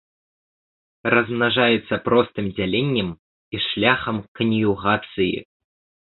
Размнажаюцца простым дзяленнем і шляхам кан'югацыі.